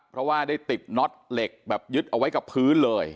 เพราะว่าได้ติดน็อตเหล็กแบบยึดเอาไว้กับพื้นเลย